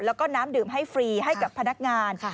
แล้วก็น้ำดื่มให้ฟรีให้กับพนักงาน